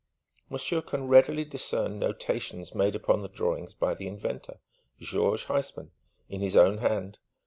"Monsieur can readily discern notations made upon the drawings by the inventor, Georges Huysman, in his own hand.